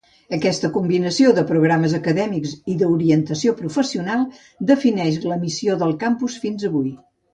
Aquesta combinació de programes acadèmics i d'orientació professional defineix la missió del campus fins avui.